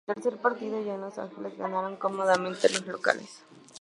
El tercer partido ya en Los Ángeles ganaron cómodamente los locales.